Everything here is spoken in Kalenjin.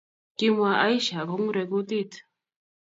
Kimwa Aisha akongurei kutit